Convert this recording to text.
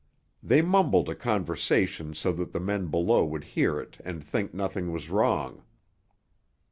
They mumbled a conversation so that the men below would hear it and think nothing was wrong.